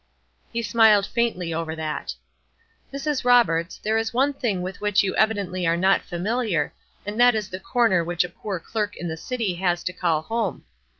He smiled faintly over that. "Mrs. Roberts, there is one thing with which you evidently are not familiar, and that is the corner which a poor clerk in the city has to call home.